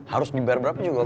harus dibayar berapa juga